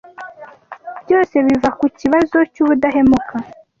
Byose biva kukibazo cyubudahemuka.